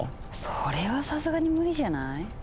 それはさすがに無理じゃない？